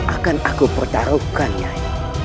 akan aku pertaruhkan nyai